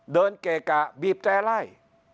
เดินเกะกะบีบแจล่าย